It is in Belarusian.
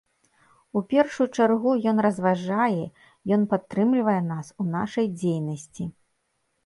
У першую чаргу ён разважае, ён падтрымлівае нас у нашай дзейнасці.